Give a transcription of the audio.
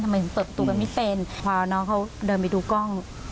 ทำไมถึงเปิดตัวกันไม่เป็นพอน้องเขาเดินไปดูกล้อง